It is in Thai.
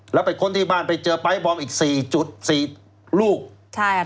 แล้วไปค้นที่บ้านไปเจอไปร์ล์คอีกสี่จุดสี่ลูกใช่